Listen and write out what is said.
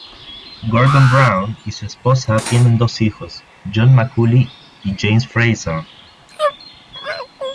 Gordon Brown y su esposa tienen dos hijos, John Macaulay y James Fraser.